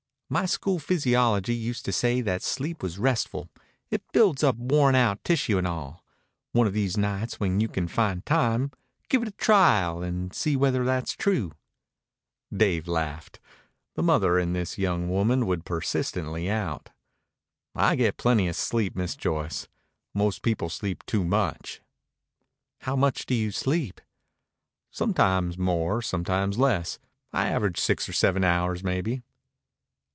"My school physiology used to say that sleep was restful. It builds up worn out tissue and all. One of these nights, when you can find time, give it a trial and see whether that's true." Dave laughed. The mother in this young woman would persistently out. "I get plenty of sleep, Miss Joyce. Most people sleep too much." "How much do you sleep?" "Sometimes more, sometimes less. I average six or seven hours, maybe."